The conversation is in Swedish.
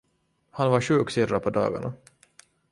Han var sjuksyrra på dagarna.